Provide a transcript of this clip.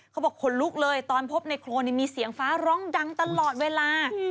เขาบอกขนลุกเลยตอนพบในโครงนี้มีเสียงฟ้าร่องดังตลอดเวลา